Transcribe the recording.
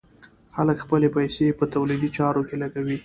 خلک خپلې پيسې په تولیدي چارو کې لګوي.